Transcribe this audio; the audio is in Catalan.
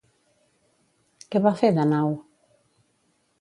Què va fer Danau?